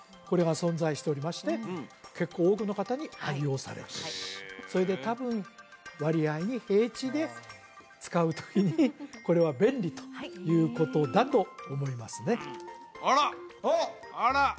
これが存在しておりまして結構多くの方に愛用されているとそれで多分割合に平地で使うときにこれは便利ということだと思いますねあら！